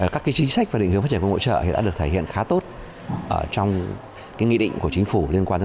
các chính sách và định hướng phát triển công nghiệp hỗ trợ đã được thể hiện khá tốt trong cái nghi định của chính phủ